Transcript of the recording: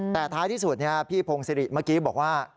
แต่ท้ายที่สุดพี่พงศิริเมื่อกี้บอกว่า